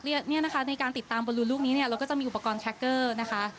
เนี่ยนะคะในการติดตามบอลลูนลูกนี้เนี่ยเราก็จะมีอุปกรณ์แคคเกอร์นะคะ